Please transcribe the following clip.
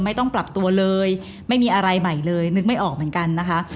ไม่ต้องปรับตัวเลยไม่มีอะไรใหม่เลยนึกไม่ออกเหมือนกันนะคะ